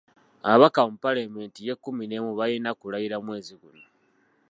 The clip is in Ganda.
Ababaka mu Palamenti y'e kkumi n'emu balina kulayira mwezi guno.